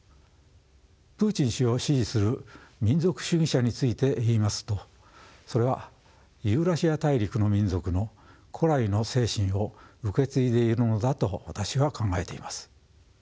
プーチン氏を支持する民族主義者について言いますとそれはユーラシア大陸の民族の古来の精神を受け継いでいるのだと私は考えています。